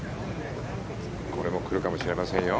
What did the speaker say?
これも来るかもしれませんよ。